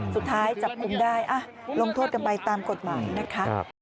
สุดท้ายจับกลุ่มได้ลงโทษกันไปตามกฎหมายนะคะ